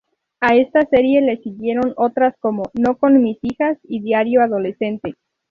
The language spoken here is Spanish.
A esta serie le siguieron otras como "No con mis hijas" y "Diario adolescente".